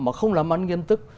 mà không làm ăn nghiêm túc